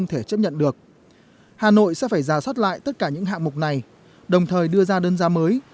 hà nội sẽ phải ra soát lại tất cả những hạng mục này đồng thời đưa ra đơn giá mới